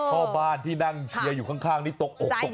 พ่อบ้านที่นั่งเชียร์อยู่ข้างนี่ตกอกตกใจ